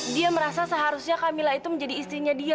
dia merasa seharusnya camilla itu menjadi istrinya dia